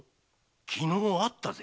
昨日会ったぜ。